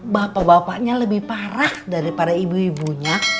bapak bapaknya lebih parah daripada ibu ibunya